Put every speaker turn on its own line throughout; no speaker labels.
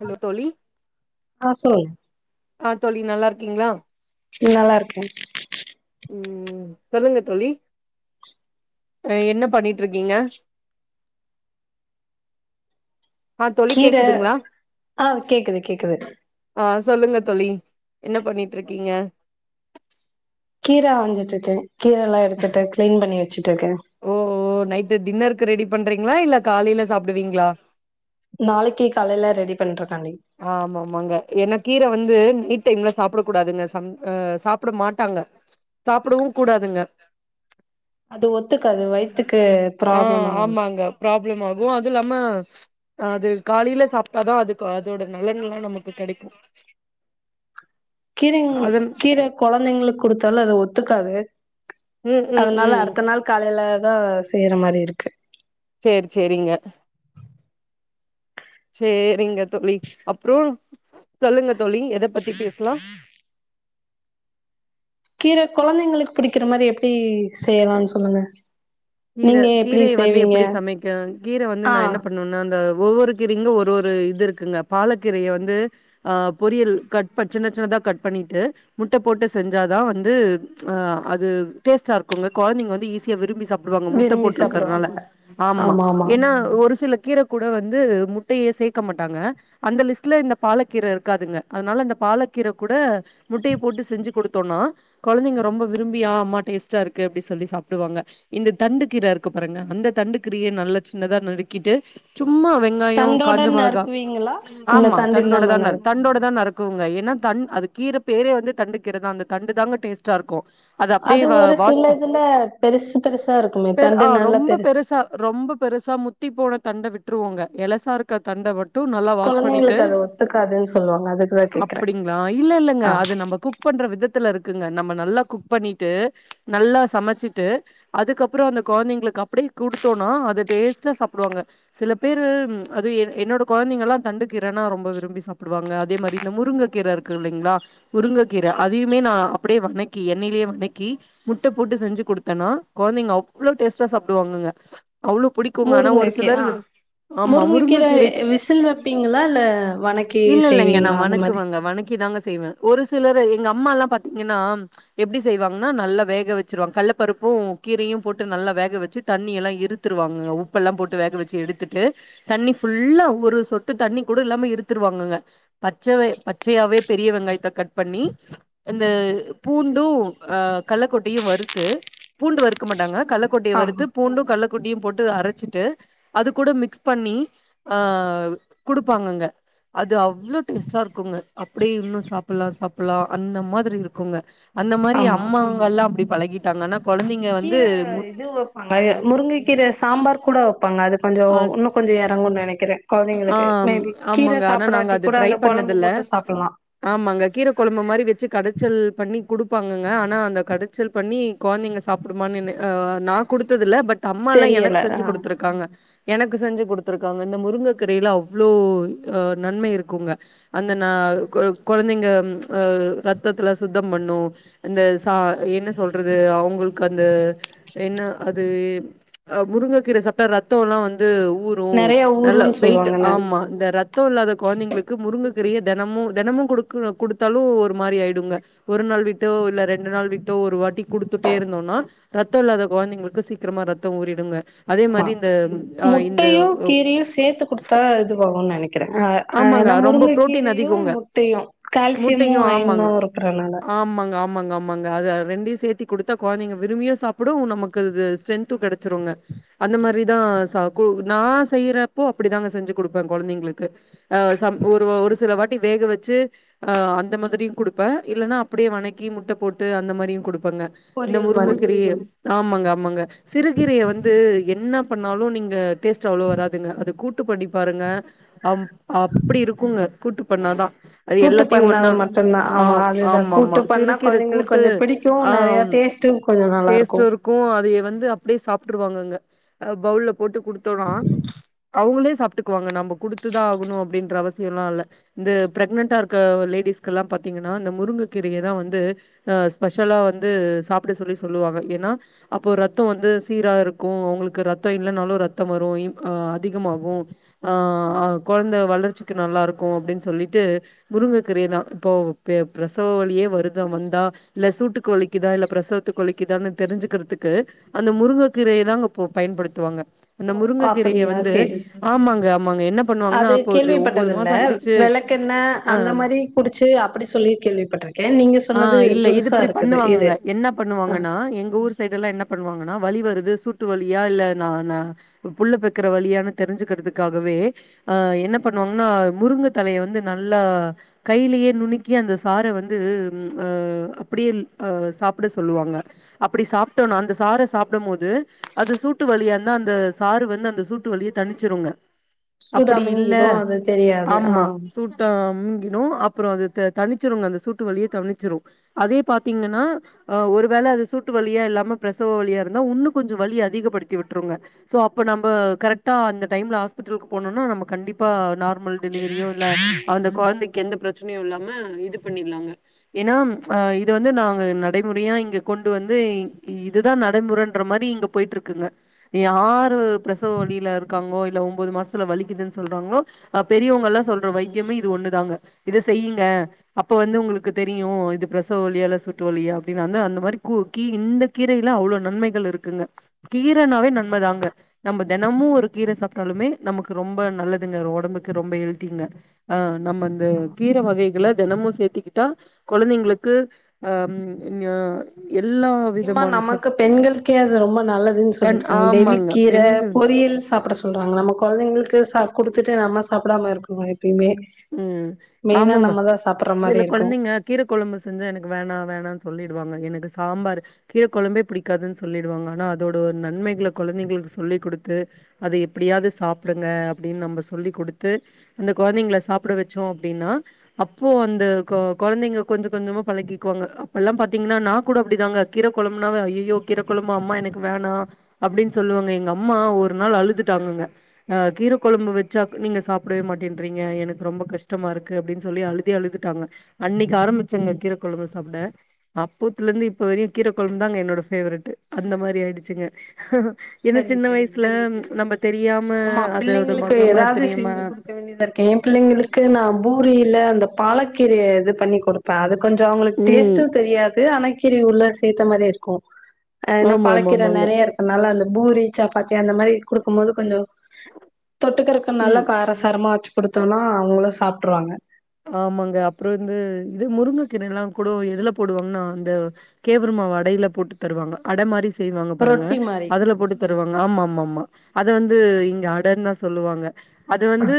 Hello தோழி
ஆ சொல்லுங்க
ஆ தோழி நல்லாருக்கீங்களா
ம் நல்லா இருக்கே
ம் ம் சொல்லுங்க தோழி ஹ என்ன பண்ணீட்டருக்கீங்க ஆ தோழி
கீர
கேக்குதுங்களா
ஆ கேக்குது கேக்குது
ஆ சொல்லுங்க தோழி என்ன பண்ணிட்டு இருக்கீங்க
கீர அஞ்சிட்டு இருக்கேன் கீர எல்லா எடுத்துட்டே கிளீன் பண்ணி வச்சுட்டு இருக்கே
ஓ ஓ நைட்டு டின்னருக்கு ரெடி பண்றீங்களா இல்ல காலையில சாப்டுவீங்களா
நாளைக்கு காலையில ரெடி பண்றதுக்காண்டி
ஆமா ஆமாங்க ஏன்னா கீரை வந்து நைட் டைம்ல சாப்ட கூடாதுங்க அ சாப்ட மாட்டாங்க சாப்டவும் கூடாதுங்க
அது ஒத்துக்காது வயித்துக்கு
ஆ
ப்ராப்ளம் ஆகு
ஆமாங்க ப்ராப்ளம் ஆகும் அதும் இல்லாம அது காலையில சாப்ட்டாதா அதுக்கு அதோட நலன் எல்லா நமக்கு கெடைக்கும்
கீரைங் கீரை கொழந்தைங்களுக்கு கொடுத்தாலும் அது ஒத்துக்காது
ம் ம்
அதனால
ம்
அடுத்த நாள் காலையில தான் செய்யற மாரி இருக்கு
சேரி சேரிங்க சேரிங்க தோழி அப்றம் சொல்லுங்க தோழி எத பத்தி பேசலாம்
கீரை கொழந்தைங்களுக்கு பிடிக்கிற மாரி எப்டி செய்யலாம் சொல்லுங்க
கீர
நீங்க எப்டி
கீரய வந்து
செய்வீங்க
எப்டி சமைக்கனும்.. கீர வந்து
ஆ
நான் என்ன பண்ணணும். அந்த ஒவ்வொரு கீரைக்கும் ஒரு ஒரு இது இருக்குங்க. பாலக்கீரய வந்து.. ஆ.. பொரியல் கட் பண்.. சின்ன சின்னதா கட் பண்ணிட்டு.. முட்ட போட்டு செஞ்சாதான் வந்து.. அ அது டேஸ்ட்டா இருக்குங்க. கொழந்தைங்க வந்து ஈஸியா விரும்பி சாப் டுவாங்க முட்ட
விரும்பி
போட்டுருக்கிறதுனால!
சாப்டுவாங்க
ஆமா! ஏன்னா? ஒரு சில கீர கூட வந்து.. முட்டயே சேக்க மாட்டாங்க.. அந்த லிஸ்ட்ல இந்த பாலக்கீர இருக்காதுங்க. அதனால அந்த பாலக்கீர கூட.. முட்டய போட்டு செஞ்சு கொடுத்தோம்னா! கொழந்தைங்க ரொம்ப விரும்பி.. ஆ. அம்மா டேஸ்டா இருக்கு அப்டினு சொல்லி சாப்டுவாங்க. இந்த தண்டு கீர இருக்கு பாருங்க, அந்த தண்டு கீரய நல்ல சின்னதா நறுக்கிட்டு சும்மாவே... வெங்காயம்,
தண்டோட
காஞ்ச மொளகா,
நறுக்குவீங்களா இல்ல
ஆமா
தண்டு
தண்டோட
இல்லாம
தான்.
நறு
தண்டோட தான் நறுக்கு.. னுங்க ஏன்னா! தண்.. அது கீர பேரே வந்து தண்டு கீரதான் அந்த தண்டுதாங்க டேஸ்ட்டாயிருக்கும். அது அப்டியே வாஸ் பண்..
ல்ல.. பெருசு... பெருசா இருக்குமே
பெர்
தண்டு
ஆ
நல்லா
ரொம்ப
பெருசு
பெருசா ரொம்ப பெருசா மு த்தி போன தண்ட விட்ருவாங்க. எலசாருக்க தண்ட மட்டு... ம் நல்லா வாஷ் பண்ணிட்டு
கொழந்தைங்களுக்கு அது ஒத்துக்காதுன்னு சொல்லுவாங்க அதுக்குதா கேக்குறே
அப்டிங்களா இல்ல இல்லங்க
ஆ
அது நம்ம குக் பண்ற விதத்துல இருக்குங்க நம்ம நல்லா குக் பண்ணிட்டு நல்லா சமைச்சிட்டு அதுக்கப்புறம் அந்த கொழந்தைங்களுக்கு அப்டியே குடுத்தோம்னா அத டேஸ்ட்டா சாப்டுவாங்க சில பேரு அது என் என்னோட கொழந்தைங்க எல்லா தண்டு கீரைன்னா ரொம்ப விரும்பி சாப்டுவாங்க அதே மாரி இந்த முருங்க கீரை இருக்கு ல்லைங்களா முருங்கக்கீரை அதையுமே நான் அப்டியே வணக்கி எண்ணெயிலயே வணக்கி முட்டை போட்டு செஞ்சு கொடுத்தேனா கொழந்தைங்க அவ்ளோ டேஸ்ட்டா சாப்டுவாங்கங்க அவ்ளோ புடிக்குங்க ஆனா ஒரு
முருங்கக்கீர
சிலர்
ஆ
ஆமா
முருங்கக்கீர
முருங்ககிர
விசில் வைப்பீங்களா இல்ல வணக்கி
இல்ல இல்லங்க
செய்வீங்களா
நான்
அந்த மாரி
வணக்குவேங்க வணக்கு [unintelligible] தாங்க செய்வேன். ஒரு சிலரு.. எங்க அம்மால்லாம் பாத்தீங்கன்னா? எப்டி செய்வாங்கன்னா? நல்லா வேக வச்சுருவாங்க கல்ல பருப்பும்.. கீரயும் போட்டு நல்லா வேக வச்சு தண்ணியெல்லாம் இருத்துருவாங்க. உப்பெல்லாம் போட்டு வேக வச்சு எடுத்துட்டு.. தண்ணி ஃபுல்லா, ஒரு சொட்டு தண்ணி கூட இல்லாம இருத்துருவாங்கங்க! பச்சவே பச்சயாவே பெரிய வெங்காயத்தை கட் பண்ணி.. இந்த பூண்டும்.. கல்லகொட்டையும் வறுத்து.. பூண்டு வறுக்க மாட்டாங்க.
சரி
கள்ளக்கொட்டைய வறுத்து
ஆமா
பூண்டு கல்ல கொட்டையு போட்டு அரச்சுட்டு அது கூட மிக்ஸ் பண்ணி ஆ குடுப்பாங்கங்க அது அவ்ளோ டேஸ்ட்டா இருக்குங்க. அப்டியே இன்னு சாப்பல்லா சாப்பல்லா அந்த மாதிரி இருக்குங்க அந்த மாரி
ஆமா
அம்மாங்கல்லா அப்டி பழகிட்டாங்க. ஆனா கொழந்தைங்க வந்து
அங்கய முருங்கக்கீர சாம்பார் கூட வப்பாங்க. அது கொஞ்சோ
ஆ
வுன்னு கொஞ்சோ எறங்குன் நெனைக்கிறே
ஆ
கொழந்தைங்களுக்கு மே பி கீர
ஆமாங்க ஆனா நாங்க
சாப்புடாட்டி
அது
கூட
ட்ரை
அந்த கொழம்பு
பண்ணதில்ல
மட்டு சாப்பல்லா
ஆமாங்க கீர கொழம்பு மாரி வச்சு கடச்சல் பண்ணி குடுப்பாங்கங்க. ஆனா அந்த கட ச்சல் பண்ணி கொழந்தைங்க சாப்புடுமானுனு அ நா குடுத்ததில்ல பட் அம்மாலா எனக்கு
தெரியல
செஞ்சு
ஆ
குடுத்துருக்காங்க எனக்கு செஞ்சு குடுத்துருக்காங்க இந்த முருங்க கீரேல அவ்ளோ அ நன்மை இருக்குங்க அந்த ந க கொழந்தைங்க அ ரத்தத்துல சுத்தம் பண்ணு அந்த ச என்ன சொல்றது அவ்ங்களுக்கு அந்த என்ன அது முருங்கக்கீர சாப்டா ரத்தொல்லா வந்து ஊரு
நெறைய
நல்லா
ஊருன்னு
வெயிட் ஆ
சொல்லுவாங்கல்ல
மா இந்த ரத்தோ இல்லாத கொழந்தைங்களுக்கு முருங்கக்கீரய தெனமு தெனமு குடுக்கு குடுத்தாலு ஒரு மாரி ஆய்டுங்க ஒரு நாள் விட்டோ இல்ல ரெண்டு நாள் விட்டோ ஒரு வாட்டி குடுத்துட்டே இருந்தோனா ரத்தோ இல்லாத கொழந்தைங்களுக்கு சீக்ரமா ரத்தோ ஊறிடுங்க அதே
ஆமா
மாரி இந்த ஆ இந்த
முட்டையு கீரையு சேத்து குடுத்தா இதுவாகுன் நெனைக்கிறே ஆ அ
ஆமாங்க
ஏனா
ரொம்ப புரோட்டீன்
முருங்கக்கீரயு
அதிகோங்க
முட்டையு கால்சியமு
முட்டையு
ஐயனு
ஆமாங்க
இருக்குறனால
ஆமாங்க, ஆமாங்க, ஆமாங்க அது அது ரெண்டையு சேத்தி குடுத்தா கொழந்தைங்க விரும்பியு சாப்புடு நமக்கு இது ஸ்ரென்து கெடச்சுருங்க அந்த மாதிரிதா சாகு நா செய்யிறப்போ இப்டிதாங்க செஞ்சு குடுப்பே கொழந்தைங்களுக்கு அ சம் ஒரு ஒரு சில வாட்டி வேக வச்சு அ அந்த மாதிரியு குடுப்பே இல்லனா அப்டியே வணக்கி முட்ட போட்டு அந்த மாரியு குடுப்பங்க இந்த
பொரியல் மாரி
முருங்கக்கீரயே ஆமாங்க ஆமாங்க சிறுகீரய வந்து என்ன பண்ணாலு நீங்க டேஸ்ட்டு அவ்ளோ வராதுங்க அது கூட் கூட்டு பண்ணி பாருங்க அ அப்டி இருக்குங்க கூட்டு பண்ணாதா அது
கூட்டு
எல்லாத்தையு ஒன்னா
பண்ணாது மட்டுந்தா
ஆ
ஆமா அதுதா
ஆமா ஆமா
கூட்டு பண்ணா
சிறுக்கீர
கொழைங்களுக்கு
கூட்டு
கொஞ்சொ பிடிக்கு நெறையா டேஸ் டு கொஞ்சோ நல்லாருக்கு
க்கு அதைய வந்து அப்டியே சாப்ட்ருவாங்கங்க அ பவுல்ல போட்டு குடுத்தோனா அவுங்களே சாப்ட்டுக்குவாங்க நம்ம குடுத்துதா ஆகணு அப்டீன்ற அவசியோல்லா இல்ல இந்த பிரெக்னன்டா இருக்க லேடிஸ்கல்லா பாத்தீங்கன்னா இந்த முருங்க கீரய தா வந்து அ ஸ்பெஷலா வந்து சாப்ட சொல்லி சொல்லுவாங்க ஏனா அப்போ ரத்தோ வந்து சீரா இருக்கு அவுங்களுக்கு ரத்தோ இல்லன்னாலு ரத்தம் வரு அ அதிகமாகு ஆ ஆ கொழந்த வளர்ச்சிக்கு நல்லாருக்கு அப்டின் சொல்லிட்டு முருங்கக்கீரயதா இப்போ பெ பிரசவ வழியே வருதா வந்தா இல்ல சூட்டுக்கு வலிக்கிதா இல்ல பிரசவத்துக்கு வலிக்கிதான்னு தெருஞ்சுக்கிறதுக்கு அந்த முருங்கக்கீரய தாங்க பொ பயன்படுத்துவாங்க அந்த முருங்க கீரய
அப்படியா
வந் து
சேரி
ஆமாங்க ஆமாங்க என்ன பண்ணுவாங்கன்னா
அது
அப்ப வந்து ஒன்போது
கேள்விப்பட்டதில்ல
மாசோ ஆய்டுச்சு ஆ
புடுச்சு அப்புடி சொல்லி கேள்விப்பட்ருக்கே நீங்க
ஆ
சொன்னது
இல்ல இது
புதுசா
இப்டி
இருக்குது இது
பண்ணுவாங்கங்க. என்ன
ஆ
பண்ணுவாங்கன்னா எங்க ஊர் சைடல்லா என்ன பண்ணுவாங்கன்னா வலி வருது சூட்டு வழியா இல்ல ந ந புள்ள பெக்க ற வலியானு தெருஞ்சுக்கிறதுக்காகவே அ என்ன பண்ணுவாங்கன்னா முருங்க தலய வந்து நல்லா கைலயே நுணுக்கி அந்த சார வந்து ம் அ அப்டியே அ சாப்ட சொல்லுவாங்க அப்பிடி சாப்டோனா அந்த சாற சாப்டம் போது அது சூட்டு வழியா இருந்தா அந்த சாறு வந்து அந்த சூட் ட்டு வழிய தனிச்சிருங்க அப்டி இல்ல
சூடாமயங்கிரு அது தெரியாது ஆ
ஆமா சூட் டா அம் மூங்கிடும் அப்புறம் அது தனிச்சிரங்க அந்த சூட்டு வழியே தணிச்சிரும் அதே பாத்தீங்கனா ஆ ஒரு வேல அது சூட்டு வழியா இல்லாம பிரசவ வழியா இருந்தா உன்னும் கொஞ்ச வழி அதிகப்படுத்தி விட்டுருங்க சோ அப்ப நம்ப கரெக்ட் ட்டா அந்த டைம்ல ஹாஸ்பிட்டலுக்கு போனோன்னா நம்ம கண்டிப்பா நார்மல் டெலிவரியோ இல்ல அந்த கொழந்தைக்கு எந்த பிரச்சனையும் இல்லாம இது பண்ணிருலாங்க ஏனா அ இது வந்து நாங்க நடைமுறையா இங்க கொண்டு வந்து இதுதான் நடைமுறைன்ற மாரி இங்க போயிட்டு இருக்குங்க யாரு பிரசவ வலி ல இருக்கங்கோ இல்ல ஒம்போது மாசத்துல வலிக்குதுன்னு சொல்றாங்களோ அ பெரியவங்க எல்லாம் சொல்ற வைத்தியமும் இது ஒண்ணுதாங்க இத செய்யிங்க அப்ப வந்து உங்களுக்கு தெரியும் இது பிரசவ வலியா சூட்டு வலியா அப்டின்னு வந்த அந்த மாரி குக்கி இந் கீரையில அவ்ளோ நன்மைகள் இருக்குங்க கீரன்னாவே நன்மதாங்க தெனமும் ஒரு கீரை சாப்பிட்டாலுமே நமக்கு ரொம்ப நல்லதுங்க ஒடம்புக்கு ரொம்ப ஹெல்திங்க ஆ நம்ம இந்த
ஆ
கீரை வகைகள தெனமும் சேத்திக்கிட்டா கொழந்தைங்களுக்கு அம் ஞா
முக்கியமா நமக்கு பெண்களுக்கே அது ரொம்ப நல்லதுன்னு
கண்
சொல்லிருங்க
ஆமாங்க
டெய்லிக்கீர
பெண்கள்
பொ ரியல் சாப்பிட சொல்றாங்க நம்ம கொழந்தைங்களுக்கு சா குடுத்துட்டு நம்ம சாப்பிடாம இருக்கோமா எப்பயுமே
ம்
மெயினா
ஆமாமா
நம்மதா சாப்பிடுற மாரி
இதுல
இருக்கு
கொழந்தைங்க கீரக்குழம்பு செஞ்சா எனக்கு வேணா வேணான்னு சொல்லிடுவாங்க எனக்கு சாம்பாரு கீர குழம்பே பிடிகாதுன்னு சொல்லிடுவாங்க ஆனா அதோட ஒரு நன்மைகள கொழந்தைங்களுக்கு சொல்லிக் கொடுத்து அத எப்டியாது சாப்பிடுங்க அப்டின்னு நம்ப சொல்லி் குடுத்து அந்த கொழந்தைகள சாப் ப்பட வச்சோம் அப்டின்னா அப்போ அந்த கொழந்தைங்க கொஞ்சோ கொஞ்சமா பழகிக்குவாங்க அப்ப எல்லாம் பாத்தீங்கனா நா கூட அப்டிதாங்க கீரைக்கொழம்புனா ஐயயோ கீரைக்கொழம்பு அம்மா எனக்கு வேணாம் அப்டின்னு சொல்லுவாங்க எங்க அம்மா ஒரு நாள் அழுதுட்டாங்கங்க அ கீர கொழம்பு வச்சா நீங்க சாப்பிடவே மாட்டேன்றீங்க எனக் ரொம்ப கஷ்டமா இருக்கு அப்டின்னு சொல்லி அழுதே அழுதுட்டாங்க அன்னைக்கு ஆரம்பிச்சங்க கீரக்கொழம்பு சாப்ட அப்போத்துல இருந்து இப்ப வரையும் கீரக்கொழம்புதா என்னோட ஃபேவேரட் அந்த மாரி ஆயிடுச்சிங்க ஏனா
சரி
சின்ன
சரிங்க
வயசுல நம்ப தெரியாம
ஆமா
அதோட
பிள்ளைங்களுக்கு
மகமா
ஏதாவது
தெரியுமா
செஞ்சு குடுக்க வேண்டியதா என் பிள்ளைங்களுக்கு நா பூரியில அந்த பாலக்கீரைய இது பண்ணி கொடுப் ப்ப அது கொஞ்ச அவங்களுக்கு
ம்
டேஸ்ட்டும் தெரியாது கீரைய உள்ள சேத்த மாரியே இருக்கும் அ இன்ன
ஆமா ஆமா
பழக்கீர
ஆமாங்க
நெறைய இருக்குனால அந்த பூரி சாப்பாத்தி அந்த மாரி குடுக்கும் போது கொஞ்ஜோ தொட்டுக்குறதுக்கு நல்ல
ம்
கார சாரமா வச்சி கொடுத்தோம்னா அவங்களும் சாப்ட்ருவாங்க
ஆமாங்க அப்புறம் வந்து இது முருங்க கீரயெல்லாம் கூட எதுல போடுவாங்கனா அந்த கேவரு மாவு அடையில போட்டு தருவாங்க அட மாதிரி செய்வாங்க பாருங்க
ரொட்டி மாரி
அதுல போட்டு தருவாங்க ஆமா ஆமா ஆமா அத வந்து இங்க அடதான் சொல்லுவாங்க அது வந்து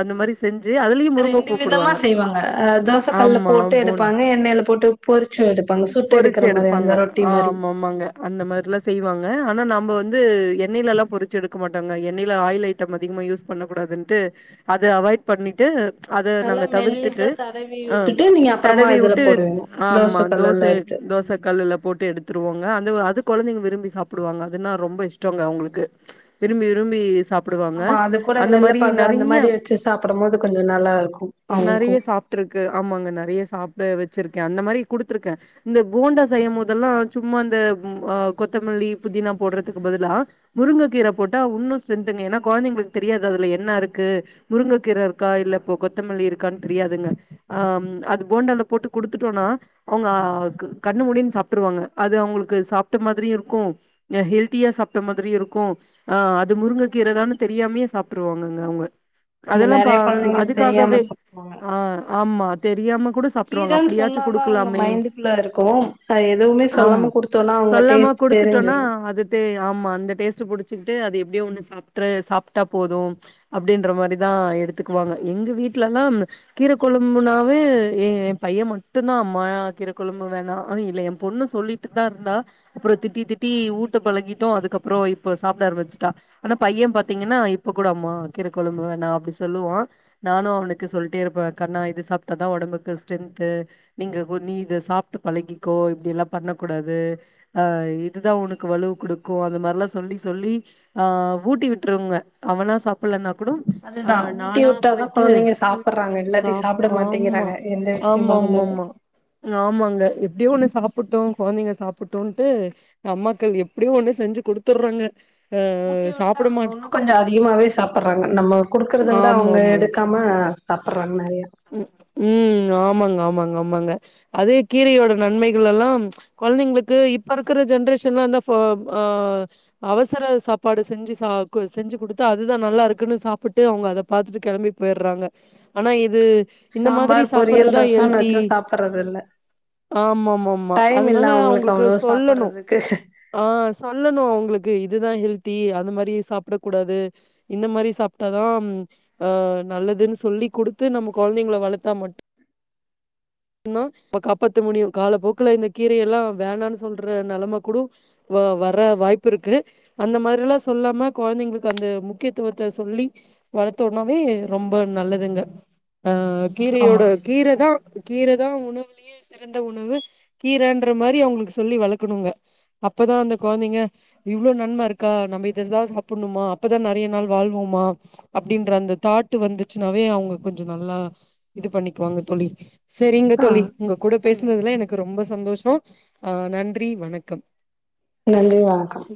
அந்த மாரி செஞ்சி அதுலயும்
ரெண்டு
முருங்கப்பூ
விதமா
போடுவாங்க
செய்வாங்க அ தோச கல்ல
ஆமா
போட்டு
போண்டு
எடுப்பாங்க எண்ணெயில போட்டு பொரிச்சும் எடுப்பாங்க சுட்டு
பொறிச்சு
எடுக்குற மாரி
எடுப்பாங்க
அந்த ரொட்டி மாரி
ஆமாமாங்க அந்த மாரி யெல்லா செய்வாங்க ஆனா நாம்ப வந்து எண்ணெயில எல்லாம் பொறிச்சு எடுக்க மாட்டோங்க எண்ணெயில ஆயில் ஐட் டம் அதிக யூஸ் பண்ணகூடாதுண்ட்டு அத அவாய்ட் பண்ணிட்டு அத
நல்லா
நாங்க
மெல்லிசா
தவிர்த்துட்டு
தடவி
அம்
விட்டுட்டு நீங்க அப்புறமா
தடவி
இதுல
விட்டு
போடுவீங்க
ஆமா தோச
கல்லுல எடுத்து
தோசை கல்லுல போட்டு எடுத்துருவோங்க அந்த அது கொழந்தைங்க விரும்பி சாப்பிடுவாங்க அதுன்னா ரொம்ப இஷ்டங்க அவங்களுக்கு விரும்பி விரும்பி சாப் போடுவாங்க
ஆமா அது கூட
அந்த மாரி
வெள்ளப்பாகு அந்த
நிறைய
மாரி வச்சு சாப்பிடும் போது கொஞ்சோ நல்லா இருக்கு அவங்களுக்கு
நெறைய சாப் இருக்கு ஆமாங்க நிறைய சாப்பிட்டு வெச்சிருக்கே அந்த மாதிரி குடுத்துருக்கே இந்த போண்டா செய்யும் போதெல்லாம் சும்மா அந்த அ கொத்தமல்லி புதினா போட்றதுக்கு பதிலா முருங்க கீர போட்டா உன்னு ஸ்ரெந்துங்க ஏன்னா கொழந்தைங்களுக்கு தெரியாது அதுல என்ன இருக்கு முருங்கக்கீரை இருக்கா இல்லப்ப கொத்தமல்லி இருக்கான்னு தெரியாதுங்க ஆம் அது போண்டால போட்டு குடுத்துட்டோனா அவங்க கண்ணு மூடின் சாப்ட்டுருவாங்க அது அவங்ளுக்கு சாப்ட்ட மாதிரியு இருக்கு ஹெல்த்தியா சாப்ட்ட மாதிரியு இருக்கு ஆ அது முருங்கை கீறதான்னு தெரியாமையே சாப்ட்ருவாங்கங்க அவ்ங்க
நம்ம
அதெல்லாம் பா
நெறைய கொழந்தைங்க
அதுக்காகவே
தெரியாம சாப்டுவாங்க
ஆ ஆமா தெரியாம கூட சாப்ட்ருவாங்க
கீரன்னு
அப்டியாச்சு குடு
சொன்னாதா அவங்க மைண்டக்குள்ள இருக்கு அ எதுவுமே
அம்
சொல்லாம குடுத்தோனா அவங்க டேஸ்ட் தெரிஞ்சிரு
டு ஆமா அந்த டேஸ்ட் புடிச்சுகிட்டு அது எப்படியோ ஒண்ணு சாப்ட்டுரு சாப்ட்டா போது அப்டின்ற மாரிதா எடுத்துக்குவாங்க எங்க வீட்லல்லா கீரை கொழம்புனாவே எ பையன் மட்டு தா அம்மா கீரைக்கொழம்பு வேணா இல்ல என் பொண்ணு சொல்லிட்டு தா இருந்தா அப்பறோ திட்டி திட்டி ஊட்ட பழகிட்டோ அதுக்கப்பறோ இப்ப சாப்ட ஆரம்பிச்சிட்டா ஆனா பையன் பாத்தீங்கன்னா இப்ப கூட அம்மா கீரைக்கொழும்பு வேணா அப்டி சொல்லுவா நானு அவனுக்கு சொல்ட்டே இருப்பே கண்ணா இது சாப்ட்டாதா உடம்புக்கு ஸ்ட்ரென்த்து நீங்க கொன்நீ இத சாப்பிட்டு பழகிக்கோ இப்டி எல்லா பண்ணக்க கூடாது அஹ் இதுதா உனக்கு வலுவு குடுக்கு அந்த மாரிலா சொல்லி சொல்லி ஆ ஊட்டி விட்டுருங்க அவனா சாப்பல்லனா கூடோ அ
அதுதா ஊட்டி
நானா
விட்டாதா
போயிட்டு
கொழந்தைங்க சாப்புட்றாங்க இல்லாட்டி
சாப்
சாப்ட
ஆமா
மாட்டேங்கிறாங்க எந்த விஷயமா இருந்தாலு
ஆமாமாமா ஆமாங்க எப்டியோ ஒன்னு சாப்புட்டோ கொழந்தைங்க சாப்புட்டோன்ட்டு அம்மாக்கள் எப்டியு ஒண்ணு செஞ்சு குடுத்துற்றோங்க
ஊட்டி விட்டா அவங்க உன்னு கொஞ்சோ அதிகமாவே சாப்பற்றாங்க நம்ம குடுக்கறத விட அவங்க
ஆமாமாமா
எடுக்காம ம சாப்ற்றாங்க நெறையா
ம் ஆமாங்க ஆமாங்க ஆமாங்க அதே கீரயோட நன்மைகள் லல்லா கொழந்தைங்களுக்கு இப்ப இருக்கிற ஜென்ரேஷன்லந் த போ அ அவசர சாப்பாடு செஞ்சு சா செஞ்சு குடுத்து அதுதா நல்லா இருக்குன்னு சாப்புட்டு அவங்க அத பாத்துட்டு கெளம்பி போயிறாங்க ஆனா இது இந்த மாதிரி
சாம்பார் பொரியல்
சாப்பற்தா
ரசோன்னு
ஹெல்த்தி
வச்சா சாப்புட்றது இல்ல
ஆமாம்மாம்மா
டைம் இல்ல
அதனால அவங்களுக்கு
அவ்ளோ
சொல்லணு
சாப்புட்றதுக்கு
ஆ சொல்லணு அவங்களுக்கு இதுதா ஹெல்தி அந்த மாரி சாப்ட கூடாது இந்த மாரி சாப்ட்டாதா ஆ நல்லதுன் சொல்லி குடுத்து நம்ம குழந்திங்களை வளத்த மட்டு ந காப்பாத்த முடியு காலப்போக்குல இந்த கீரயெல்லா வேணான் சொல்ற நெலம கூடோ வொ வர வாய்ப்பு இருக்கு அந்த மாரில்லாம் சொல்லாம கொழந்திங்களுக்கு அந்த முக்கியத்துவத்த சொல்லி வளத்தோன்னாவே ரொம்ப நல்லதுங்க ஆ கீரையோட
ஆமா
கீரை தா கீரை தா உணவுலயே சிறந்த உணவு கீரன்ற மாரி அவங்ளுக்கு சொல்லி வளர்க்கணுங்க அப்பதா அந்த கொழந்திங்க இவ்ளோ நன்ம இருக்கா நம்ம இததா சாப்புன்ணுமா அப்பதா நெறைய நாள் வாழ்வோமா அப்டின்ற அந்த தாட்டு வந்துச்சுன்னாவே அவங்க கொஞ்சோ நல்லா இது பண்ணிக்குவாங்க தோழி செரிங்க
ஆ
தோழி உங்க கூட பேசினதுல எனக்கு ரொம்ப சந்தோஷோ ஆ நன்றி வணக்கம்
நன்றி வணக்கம்